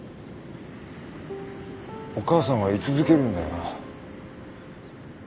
お母さんは居続けるんだよな